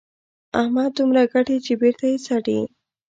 احمد دومره ګټي چې بېرته یې څټي.